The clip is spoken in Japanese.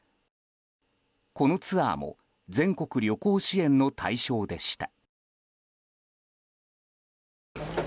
このツアーも全国旅行支援の対象でした。